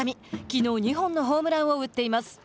きのう２本のホームランを打っています。